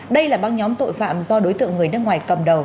đây là băng nhóm tội phạm do đối tượng người nước ngoài cầm đầu